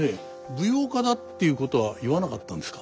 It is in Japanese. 舞踊家だっていうことは言わなかったんですか？